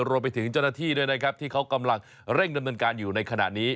รวมไปถึงเจ้าหน้าที่ด้วยนะครับที่เขากำลังเร่งดำเนินการอยู่ในขณะนี้